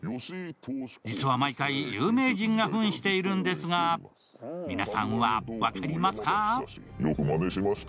実は毎回、有名人がふんしているのですが、皆さんは分かりますか？